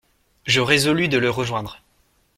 Je résolus de le rejoindre.